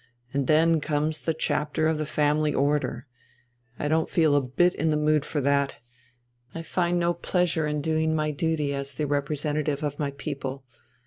And then comes the Chapter of the Family Order. I don't feel a bit in the mood for that. I find no pleasure in doing my duty as the representative of my people.